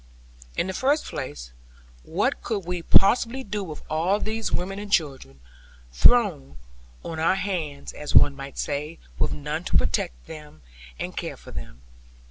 In the first place, what could we possibly do with all these women and children, thrown on our hands as one might say, with none to protect and care for them?